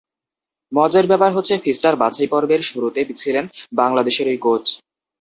মজার ব্যাপার হচ্ছে ফিস্টার বাছাইপর্বের শুরুতে ছিলেন বাংলাদেশেরই কোচ।